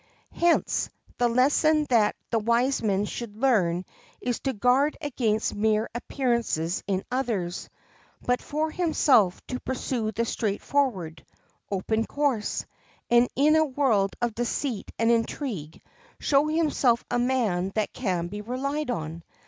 Hence, the lesson that the wise man should learn is to guard against mere appearances in others, but for himself to pursue the straightforward, open course, and in a world of deceit and intrigue show himself a man that can be relied on.